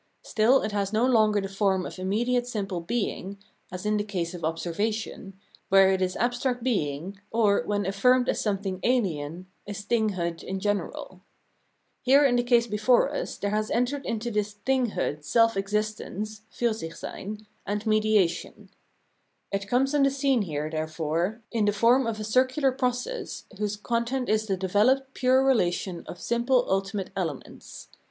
Still it has no longer the form of immediate simple heing as in the case of Observation, where it is abstract being, or, when affirmed as something ahen, is thinghood in general. Here in the case before Pleasure and Necessity 353 us there has entered into this thinghood self existence {Fursichseyn) and mediation. It comes on the scene here, therefore, in the form of a circular process, whose content is the developed pure relation of simple ulti mate elements.